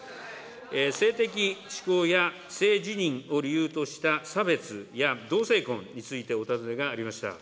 性的指向や性自認を理由とした差別や同性婚についてお尋ねがありました。